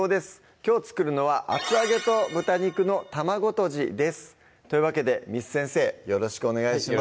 きょう作るのは「厚揚げと豚肉の卵とじ」ですというわけで簾先生よろしくお願いします